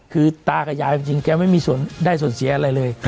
คือตากับยายจริงแกไม่มีส่วนได้ส่วนเสียอะไรเลย